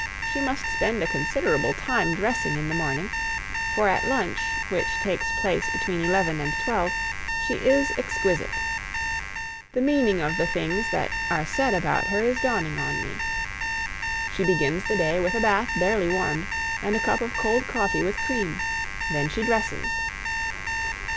She must spend a considerable time dressing in the morning; for at lunch, which takes place between eleven and twelve, she is exquisite. The meaning of the things that are said about her is dawning on me. She begins the day with a bath barely warmed, and a cup of cold coffee with cream; then she dresses.